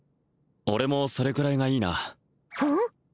俺もそれくらいがいいなうん？